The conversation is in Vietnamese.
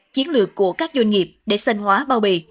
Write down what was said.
chiến lược của các doanh nghiệp để xanh hóa bao bì